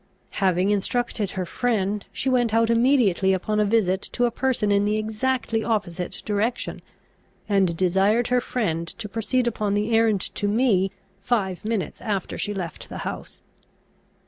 Having instructed her friend, she went out immediately upon a visit to a person in the exactly opposite direction, and desired her friend to proceed upon the errand to me, five minutes after she left the house.